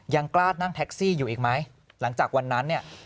ยังกล้านั่งแท็กซี่อยู่อีกไหมหลังจากวันนั้นเนี่ย